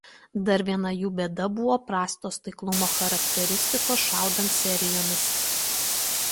Dar viena jų bėda buvo prastos taiklumo charakteristikos šaudant serijomis.